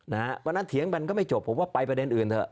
เถี๋ยงเนี่ยมันก็ไม่จบผมว่าไปประเด็นอื่นเถอะ